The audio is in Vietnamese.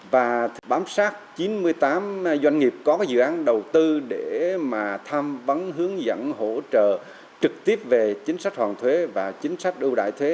và bám sát chín mươi tám doanh nghiệp có cái dự án đầu tư để mà tham vấn hướng dẫn hỗ trợ trực tiếp về chính sách hoàn thuế và chính sách ưu đại thuế